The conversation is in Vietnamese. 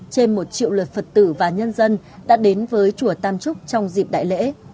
trên một triệu lượt phật tử và nhân dân đã đến với chùa tam trúc trong dịp đại lễ